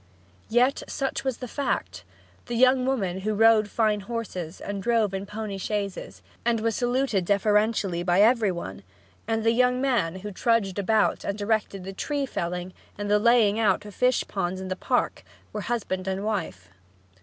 Yet such was the fact; the young woman who rode fine horses, and drove in pony chaises, and was saluted deferentially by every one, and the young man who trudged about, and directed the tree felling, and the laying out of fish ponds in the park, were husband and wife.